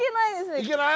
いけます！